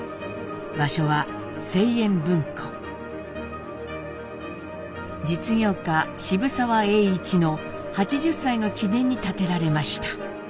場所は実業家渋沢栄一の８０歳の記念に建てられました。